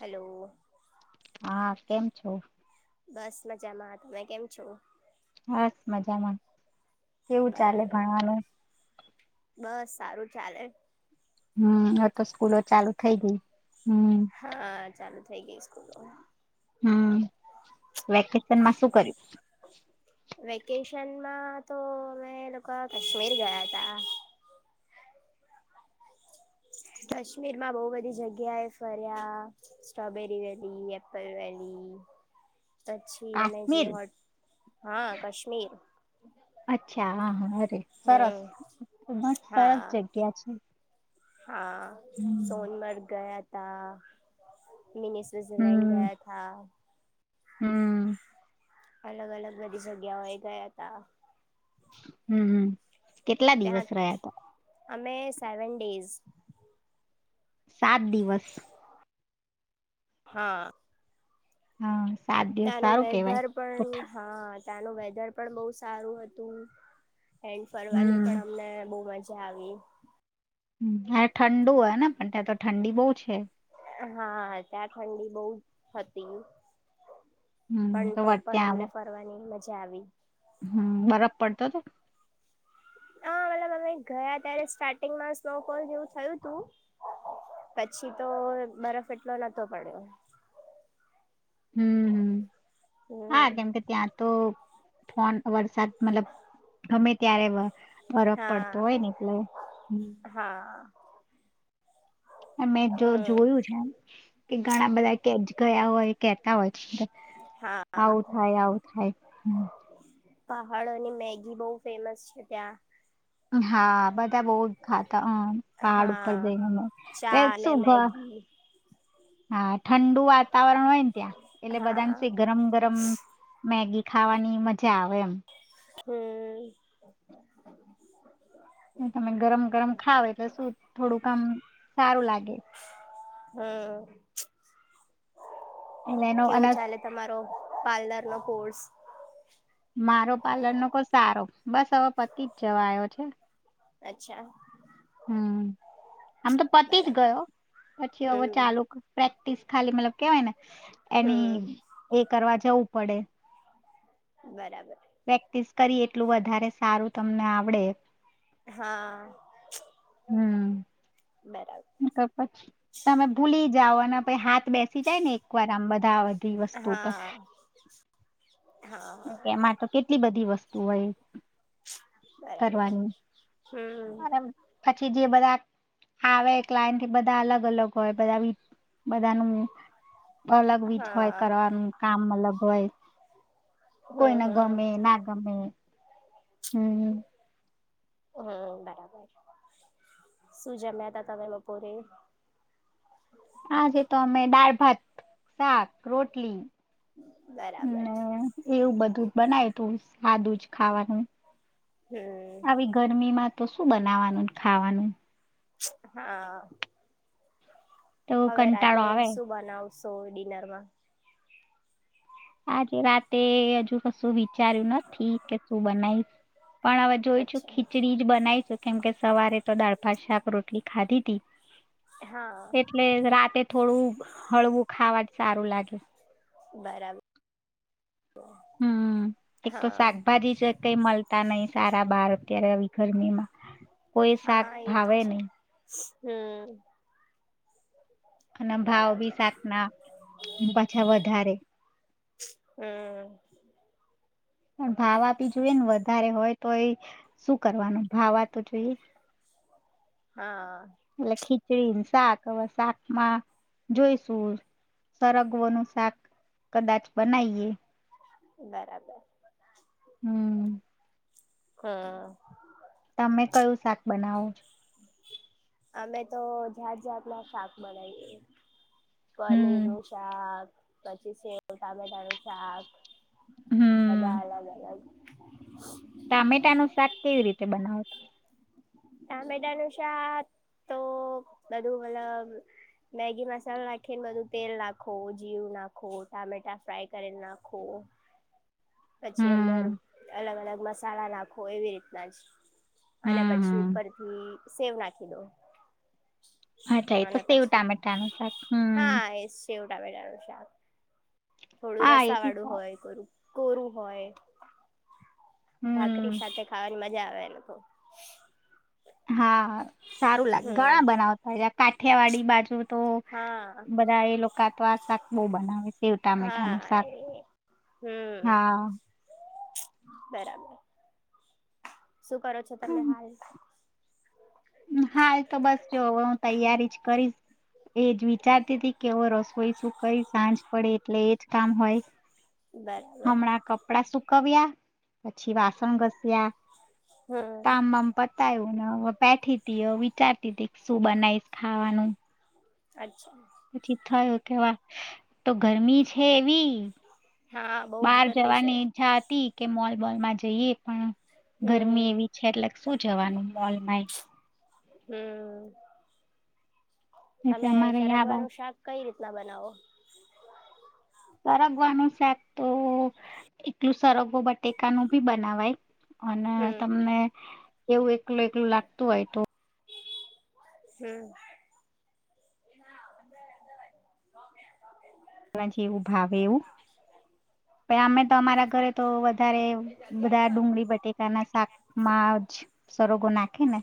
Hello હા કેમ છો બસ મજામાં. તમે કેમ છો? હાસ મજામાં કેવું ચાલે બરાબર ભણવાનું? બસ સારું ચાલે હમ હવે તો સ્કૂલો ચાલુ થઇ ગય. હા ચાલુ થઈ ગઈ સ્કૂલો? હમ વેકેશનમાં શું કર્યું? વેકેશનમાં તો અમે લોકા કાશ્મીર ગયા તા કાશ્મીર માં બહુ બધી જગ્યાએ ફર્યા સ્ટ્રોબેરી વેલી એપલ વેલી પછી અમે જે કાશ્મીર હોટ હા કાશ્મીર અચ્છા હ હા અરે સરસ હમ એ પણ સરસ હા જગ્યા છે હા હમ સોનમર્ગ ગયા તા તા મીની સ્વિટઝરલન્ડ હમ ગયા તા હમ અલગ અલગ બધી જગ્યાઓ એ ગયા તા. હમ કેટલા ત્યાં દિવસ રહ્યા હતા? અમે સેવન ડેસ સાત દિવસ હા હા સાત દિવસ ત્યાંનું સારું કેવાય વેધાર પણ ઉઠા હા ત્યાનું વેધર પણ બહુ સારું હતું એન્ડ ફરવાની હમ પણ અમને બહ મજા જા આવી હા ઠંડુ હોય ને? પણ ત્યાં તો ઠંડી બહુ છે. હા ત્યાં ઠંડી બહુ હતી હમ પણ તો પણ ત્યાં અમને ફરવાની મ જ આવી. હમ, બરફ પડતો તો હા, મતલબ અમે ગયા ત્યારે સ્ટાર્ટિંગમાં સ્નોફોલ જેવું થયું તું, પછી તો બરફ એટલો નતો પડ્યો. હમ, હમ, હા, હમ કેમ કે ત્યાં તો ફોન વરસાદ મતલબ હમે ત્યારે બ બરફ પડતો હોય હા ને એટલે. હા અમે જો હમ જોયું છે, એમ કે ઘણા બધા કે ગયા હોય કેહેતા હોય. આવું હા થાય આવું થાય. પહાડોની મેગી બહુ ફેમસ છે ત્યાં. હા બધા બહ જ ખાતા હમ પહાડ ઉપર હા જઈને, ચા અને શું ઘ મેગી હા ઠંડુ વાતાવરણ હોયને ત્યાં એટલે હા બધા ગરમ ગરમ મેગી ખાવાની મજા આવે એમ. હમ. તમે ગરમ ગરમ ખાવ તોલે શું થોડું કામ સારું લાગે. હમ. એટલે એનો અને કેવું ચાલે તમારો પાર્લર? એટ ફર્સ મારો પાર્લર નો કોઈ સારો બસ હવે પતિ જ જવા આવયો છે. અચ્છા. હમ. આમ તો પતિ જ બરાબર ગયો, પછી હો હમ ચાલુ તીસ ખાલી મતલબ કેવાયને એની હમ એ કરવા જવું પડે. બરાબર. પ્રેક્ટિસ કરી એટલું વધારે સારું તમને આવડે. હા. હમ. બરાબર પછી તમે ભૂલી જવાના પ હા બેસી જાય ને એકવાર આમ બધા બધી વસ્તુ પર, હા હા એમાં તો કેટલી બધી વસ્તુ તો હોય બરાબર, કરવાની હમ. અને પછી જે બધા આવે ક્લાયન્ટ બધા અલગ અલગ હોય બધા બધા ન અલગ વિજ હા હોય કરવાનું કામ અલગ હોય, હમ કોઈને હમ ગમે ના ગમે. હમ. હમ બરાબર, શું જમ્યા ત તમે બપોરે? આજે તો અમે દાળ ભાત શાક રોટલી. બરાબર હ એવું બધું જ બનાય તું. ખાધું જ ખાવાનું. હમ આવી ગરમીમાં તો શું બનાવાનું ખાવાનું. હા. તો હવે કંટાળો રાતે આવે શું બનાવ સો ડીનારમાં? આજે રાતે હજુ કશું બી. વિચાર્યું નથી કે શું બનાય. પણ હવે જોઈશું અચ્છા ખીચડી જ બનાવીશું. કેમ કે સવારે તો દાળ, ભાત, શાક, રોટલી ખાધી તી હા એટલે, રાતે થોડું હળવું ખાવા જ સારું લાગે. બરાબર હમ એક તો હા શાકભાજી જ કઈ મળતા નહી સારા બહાર, અત્યારે આવી ગરમીમાં કોઈ શાક હા એ તો ભાવે છે નહી. હમ! અને ભાવ બી બરાબર શાક ના પાછા વધારે, હમ પણ ભાવ આપી જોય ને વધારે હોય તો, એ શું કરવાનું ભાવ જો એ હા [inaudible] લ ખી ડી શાક હવે શાકમાં જોઈશું, સરગવોનું શાક કદાચ બનાવીએ, બરાબર, હમ! હા! તમે કયું શાક બનાવો છો અમે તો જાત જાત ના શાક બનાવીએ પનીર હમ નું શાક, પછી સેવટામેટા નું શાક, બધા અલગ અલગ [unintelligible] ટામેટા નું શાક કેવી રીતે બનાવો? ટામેટા નું શાક તો બધું મતલબ મેગી મસાલો નાખીને, બધું તેલ નાખો જીરું નાખો ટામેટા ફ્રાય કરીને નાખો પછી અંદર હમ અલગ અલગ મસા સાલા નાખો એવી રીતના જ, હમ અને પછી હમ થી સેવ નાખી દો. [inaudible] એ તો અને સેવ પછી ટામેટાનું શાક હમ, હા [unintelligible] થોડું હા એ રસા બી વાળું સારું હોય, કરું કોરું હોય, ભાકરી હમ સાથે ખાવાની મજા આવે. [inaudible] હા સારું લાગે હમ ઘણા બનાવતા, કાઠિયાવાડી બાજુ તો હા બધા એ લોકાત્વા શાક બહુ બનાવે. સેવ ટામેટા નું હા એ શાક. હમ હા, બરાબર! શું કરો છો તમે હમ. હાલ? હાલ તો બસ, જો હું તૈયારી જ કરીશ એજ વિચારતી હતી, કે હું રસોઈ શું કરી સાંજ પડે એટલે એજ કામ હોય. બરાબર હમણાં કપડા સુકવ્યા. પછી વાસણ ઘસ્યા હમ કામમાંમ પતાયું ને હવે બેઠી તી અવી ચાતી દીક શું બનાવીશ ખાવાનું [inaudible] પછી થાય કેવા તો ગરમી છે એવી હા બહુ બાર જ ગરમી છે જવાની ઈચ્છા હતી કે મોલ ફૂટબોલમાં જઈએ પણ હમ ગરમી એવી છે એટલે શું જવાનું મોલમાંય હમ એટલે તમે અમારે યાં સરગવાનું શાક કઈ રીતે તા બનાવો સરગવાનું શાક તો એટલું સરગો બટેકા નું ભી બનાવાય. અને હમ તમને એવું એકલું એકલું લાગતું હોય તો હ જે એવું ભાવે એવું પણ અમે તો અમારા કરે તો વધારે બધા ડુંગળી બટેકા ના શાક માં જ સરગવો નાખે ને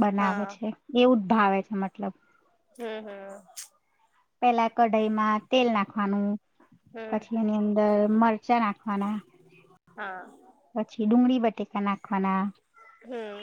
બનાવે હા છે એવું ભાવે છે મતલબ હમ હમ પેલા કઢઈ માં તેલ નાખવાનું હમ પછી એની અંદર મરચાં નાખવાના. હા. પછી ડુંગળી બટેકા નાખવાના. હમ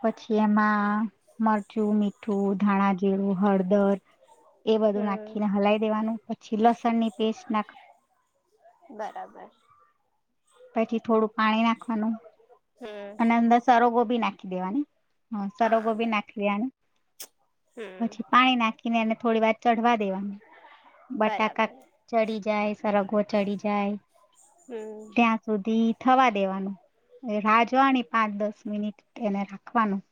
પછી એમાં મરચું, મીઠું, ધાણા, જીરું. હળદર, એ બધું નાખીને હમ હલાઈ દેવાનું. લસણની પેસ્ટ નાખ બરાબર. પછી થોડુંક પાણી નાખવાનું. હમ અને અંદર સરગોબી નાખી દેવાની સરગોબી હા નાખી દેવા હમ પછી પાણી નાખીને એને થોડી વાર ચઢવા દેવાનું બટાકા બરાબર ચડી જાય સરગો ચડી જાય. હમ ત્યાં સુધી થવા દેવાનું ને રાજ જોની પાંચ દસ મિનિટ એને રાખવાનું.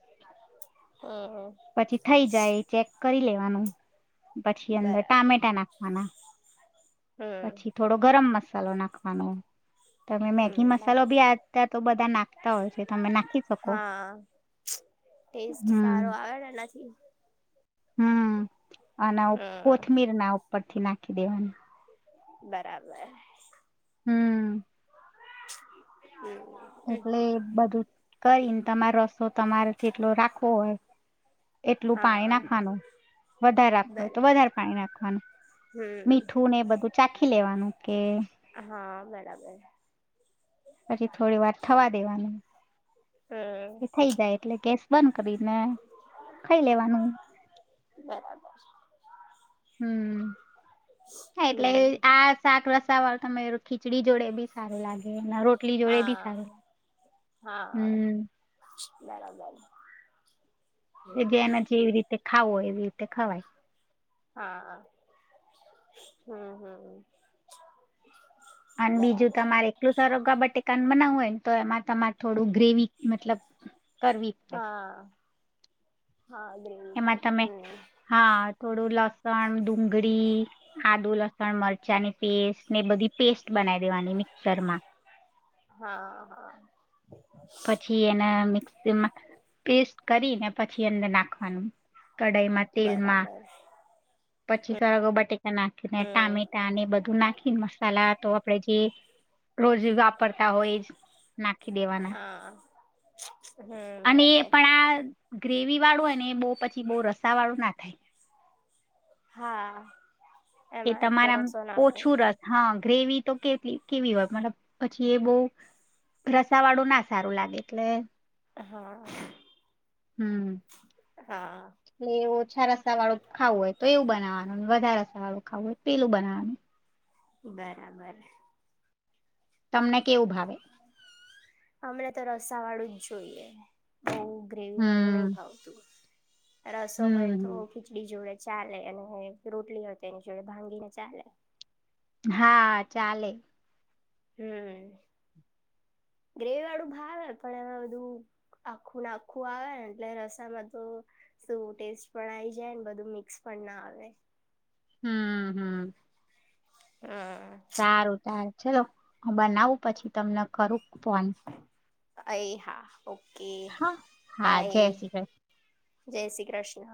હમ પછી થઈ જાય ચેક કરી લેવ વાનું પછી અંદર બરાબર ટામેટા નાખવાના હમ પછી થોડો ગરમ મસ સલો નાખવાનો તમે હમ મેગી મસાલો બરાબર બી આજ કા તો બધા નાખતા હોય છે તમે નાખી શકો હા ટેસ્ટ હમ્મ સારો આવે ને એનાથી હમ્મ અને હમ કોથમીર ના ઉપરથી નાખ દેવાની બરાબર. હમ્મ હ [inaudible] એટલે બધું કરીને તમારે રસ તો તમારે જેટલું રાખવો હોય. એટલું પાણી હા નાખવાનું વધારે રાખો હોય તો બરાબર વધારે પાણી નાખવાનું હમ મીઠું ને એ બધું ચાખી લેવાનું. ઓકે. હા બરાબર. પછી થોડી વાર થવા દેવાનું. હમ એ થઈ જાય એટલે ગેસ [inaudible] કરીને ખઈ લેવાનું. બરાબર હમ્મ હા એટલે હમ આ શાક રસાવાળું તમેર ખીચડી જોડે બી સારું લાગે રોટલી જોડે બી હા સારુ હા બરાબર કે જે એના જેવી રીતે ખાવું હોયે એવી તે ખવાય હા હા હમ્મ અને બીજું તમારે એકલું સરરોગા બટેકાનુ બનાવું હોય ને તો એમાં તમારે થોડું ગ્રેવી મતલબ કરવી હા હા ગ્રેવી એમાં ટાઈપ તમે હમ હા થોડું લસ લસણ ડુંગળી આદુ લસણ મરચાની પેસ્ટ ને બધી પેસ્ટ બનાવી દેવાની મિક્સર માં હા હા પછી એને મિક્સીમાં પેસ્ટ કરીને પછી અંદર નાખવાનું કઢાઈમાં તેલમાં બરાબર પછી હમ સરેગો બટે નાખીને ટામેટા ને બધું નાખીને મસાલા તો આપણેે જે રોજ વા પડતા હોય જ નાખી દેવાના હા હમ અને એ બરાબર પણ આ ગ્રેવી વાળુંને બો પછી બો રસા વાળું ના થાય હા કે એમાં એટલો તમારામ રસો ના હોય ઓછું રસ હા ગ્રેવી તો કેટલી કેવી હોય મતલબ પછી એ બોવ રસા વાળું ના સારું લાગે એટલે હા હમ હા એટલે ઓછા રસા વાળું ખાવું હોય તો એવું બનાવાનું વધારે સારુ ખાવુ હોય પેલું બનાવાનું બરાબર તમને કેવું ભાવે અમને તો રસા વાળું જ જોઈએ. બોવ ગ્રેવી વાળું નહી હમ ભાવતું રસો હોય તો હમ ખીચડી જોડે ચાલે અને રોટલી એની જોડે ભાંગી ને ચાલે હા ચાલે હુમ ગ્રેવી વાળું ભાવે પણ એમાં બધું આખું નાખું આવે એટલે રસામાં તો શુ ટેસ્ટ પણ આઈ જાય ને બધું મિક્સ પણ ના આવે હમ હમ હમ સારું સારું ચલો હુ બનાવું પછી તમને કરું ફોન અર હા ઓકે હા હા જય બાય શ્રી કૃષ્ણ જય શ્રી કૃષ્ણ